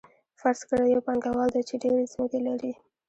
فرض کړئ یو پانګوال دی چې ډېرې ځمکې لري